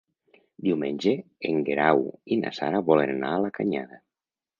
Diumenge en Guerau i na Sara volen anar a la Canyada.